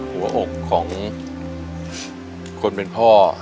หัวอกของคนเป็นพ่อ